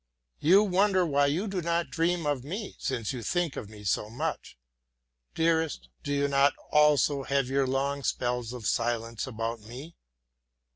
You wonder why you do not dream of me, since you think of me so much. Dearest, do you not also have your long spells of silence about me?